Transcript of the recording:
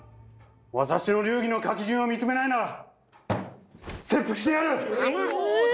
私の流儀の書き順を認めないなら切腹してやる！